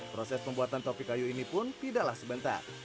proses pembuatan topi kayu ini pun tidaklah sebentar